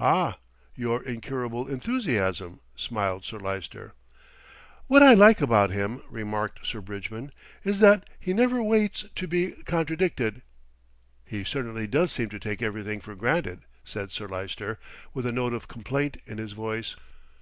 "Ah! your incurable enthusiasm," smiled Sir Lyster. "What I like about him," remarked Sir Bridgman, "is that he never waits to be contradicted." "He certainly does seem to take everything for granted," said Sir Lyster, with a note of complaint in his voice.